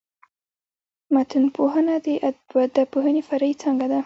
متنپوهنه د ادبپوهني فرعي څانګه ده.